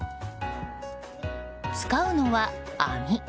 使うのは、網。